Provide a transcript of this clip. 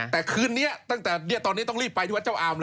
แต่คืนนี้ตอนนี้ต้องรีบไปที่วัดเจ้าอามเลย